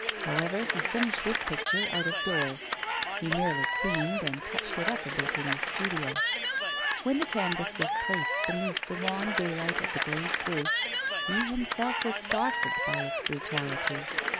However, he finished this picture out of doors; he merely cleaned and touched it up a bit in his studio. When the canvas was placed beneath the wan daylight of the glazed roof, he himself was startled by its brutality.